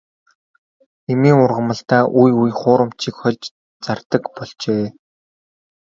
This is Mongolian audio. Эмийн ургамалдаа үе үе хуурамчийг хольж зардаг болжээ.